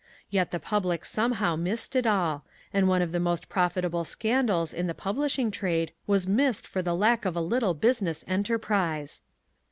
Yet the public somehow missed it all, and one of the most profitable scandals in the publishing trade was missed for the lack of a little business enterprise.